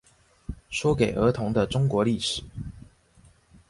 說給兒童的中國歷史